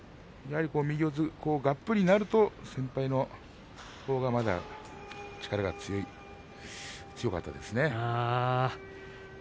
やはり右四つがっぷりになると先輩のほうがまだ力が強かったですね。